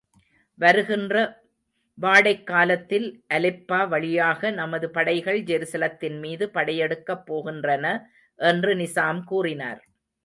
வருகின்ற வாடைக் காலத்தில் அலெப்போ வழியாக நமது படைகள் ஜெருசலத்தின் மீது படையெடுக்கப் போகின்றன. என்று நிசாம் கூறினார்.